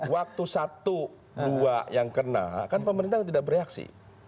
waktu satu dua yang kena kan pemerintah tidak bereaksi